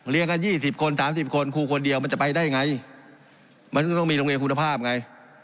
กัน๒๐คน๓๐คนครูคนเดียวมันจะไปได้ไงมันก็ต้องมีโรงเรียนคุณภาพไง